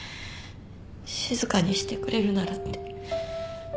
静かにしてくれるならって。